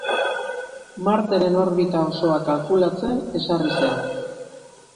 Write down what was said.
Marteren orbita osoa kalkulatzen ezarri zen.